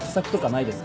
ないです。